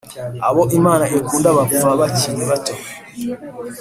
abo imana ikunda bapfa bakiri bato